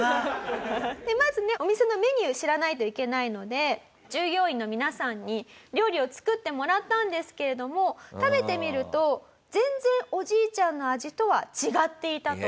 まずねお店のメニュー知らないといけないので従業員の皆さんに料理を作ってもらったんですけれども食べてみると全然おじいちゃんの味とは違っていたと。